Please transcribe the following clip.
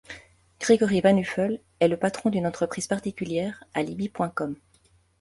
Grégory Van Huffel est le patron d'une entreprise particulière, Alibi.com.